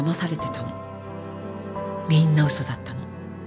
みんな嘘だったの。